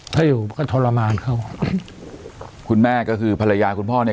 ถ้าอยู่ก็ทรมานเขาคุณแม่ก็คือภรรยาคุณพ่อเนี่ย